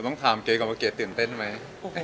ต้องถามเจ๊ก่อนว่าเก๋ตื่นเต้นไหม